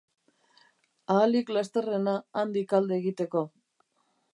Ahalik lasterrena handik alde egiteko.